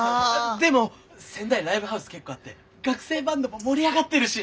でも仙台ライブハウス結構あって学生バンドも盛り上がってるし。